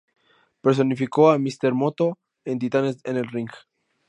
Personificó a "Mister Moto" en "Titanes en el Ring".